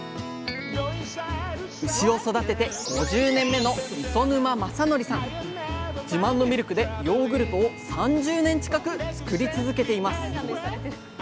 牛を育てて５０年目の自慢のミルクでヨーグルトを３０年近く作り続けています。